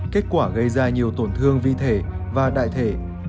kết quả gây ra nhiều tổn thương vi thể và đại thể